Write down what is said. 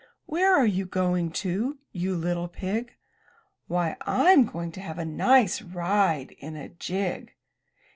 '' "Where are you going to, you little pig?" "Why, Fm going to have a nice ride in a gig!"